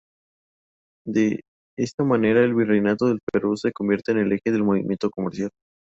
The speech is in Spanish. De esta manera, el "Virreinato del Perú" se convierte en eje del movimiento comercial.